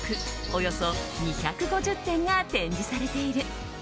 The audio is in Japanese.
およそ２５０点が展示されている。